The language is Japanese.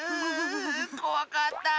こわかった！